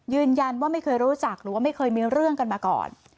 ไม่เคยรู้จักหรือว่าไม่เคยมีเรื่องกันมาก่อน